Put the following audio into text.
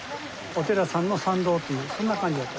お寺さんの参道っていうそんな感じだった。